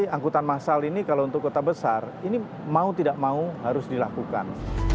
angkutan massal ini kalau untuk kota besar ini mau tidak mau harus dilakukan